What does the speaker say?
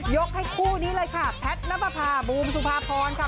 ยกให้คู่นี้เลยค่ะแพทย์นับประพาบูมสุภาพรค่ะ